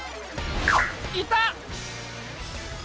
いた！